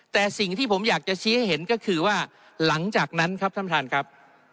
แต่สิ่งที่ผมอยากจะชี้ให้เห็นก็คือว่าหลังจากนั้นครับท่านประธานครับ